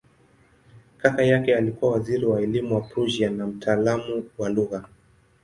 Kaka yake alikuwa waziri wa elimu wa Prussia na mtaalamu wa lugha.